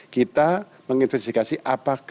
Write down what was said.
kita menginspirasi apakah